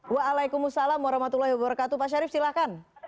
waalaikumsalam warahmatullahi wabarakatuh pak syarif silahkan